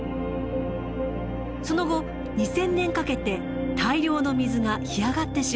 その後２，０００年かけて大量の水が干上がってしまいます。